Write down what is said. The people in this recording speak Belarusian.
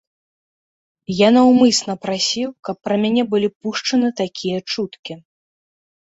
Я наўмысна прасіў, каб пра мяне былі пушчаны такія чуткі.